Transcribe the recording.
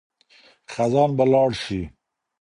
خزان به لاړ شي.